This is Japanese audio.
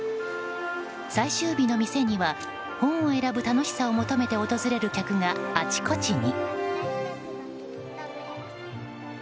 最終日の店には本を選ぶ楽しさを求めて訪れる客があちこちに。